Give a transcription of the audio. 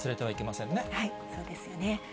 そうですよね。